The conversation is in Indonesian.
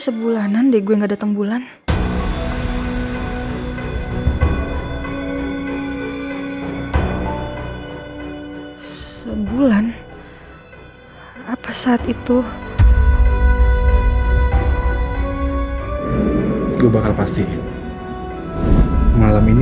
rena seorang putri alvahri